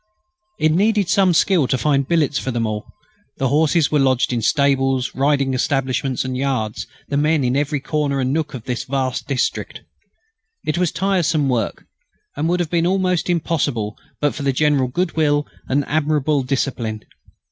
It needed some skill to find billets for them all; the horses were lodged in stables, riding establishments and yards, the men in every corner and nook of the vast district. It was tiresome work, and would have been almost impossible but for the general goodwill and admirable discipline.